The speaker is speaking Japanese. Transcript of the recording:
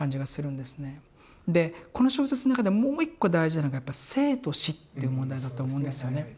でこの小説の中ではもう一個大事なのがやっぱ生と死っていう問題だと思うんですよね。